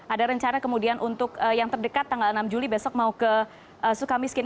ada rencana kemudian untuk yang terdekat tanggal enam juli besok mau ke sukamiskin